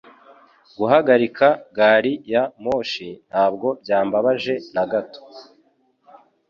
Guhagarika gari ya moshi ntabwo byambabaje na gato.